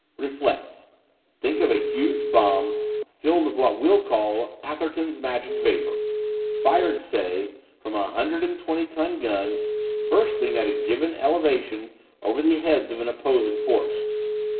Reflect! think of a huge bomb, filled with what we'll call Atherton's Magic Vapour, fired, say, from a hundred and twenty ton gun, bursting at a given elevation over the heads of an opposing force.